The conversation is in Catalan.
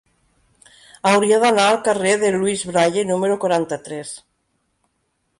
Hauria d'anar al carrer de Louis Braille número quaranta-tres.